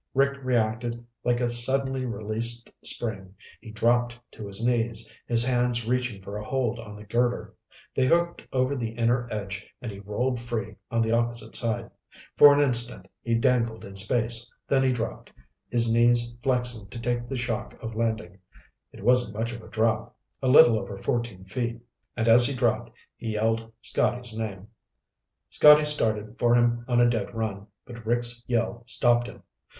Rick reacted like a suddenly released spring. He dropped to his knees, his hands reaching for a hold on the girder. They hooked over the inner edge and he rolled free on the opposite side. For an instant he dangled in space, then he dropped, his knees flexing to take the shock of landing. It wasn't much of a drop, a little over fourteen feet. And as he dropped he yelled Scotty's name. Scotty started for him on a dead run, but Rick's yell stopped him.